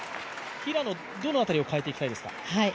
平野、どの辺りを変えていきたいですか？